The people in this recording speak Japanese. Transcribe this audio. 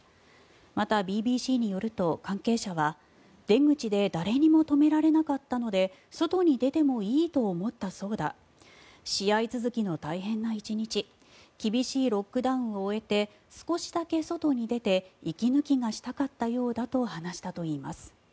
また、ＢＢＣによると関係者は出口で誰にも止められなかったので外に出てもいいと思ったそうだ試合続きの大変な１日厳しいロックダウンを終えて少しだけ外に出て息抜きがしたかったようだと話したといいます。